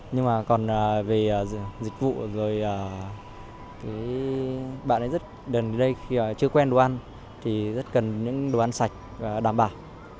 nhưng mà còn về dịch vụ rồi bạn ấy rất đần đến đây khi chưa quen đồ ăn thì rất cần những đồ ăn sạch và đảm bảo